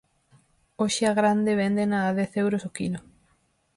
Hoxe a grande véndena a dez euros o quilo.